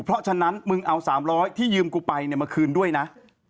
เพราะฉะนั้นมึงเอา๓๐๐ที่ยืมกูไปมาคืนด้วยนะ